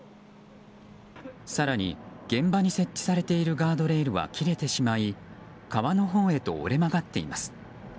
更に現場に設置されているガードレールは切れてしまい川のほうへと折れ曲がっています。